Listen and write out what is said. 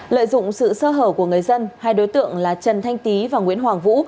lợi dụng sự sơ hở của người dân hai đối tượng là trần thanh tý và nguyễn hoàng vũ